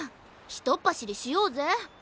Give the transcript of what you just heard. ひとっぱしりしようぜ。